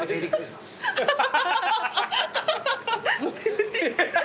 ハハハ。